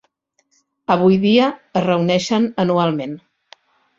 Avui dia, es reuneixen anualment.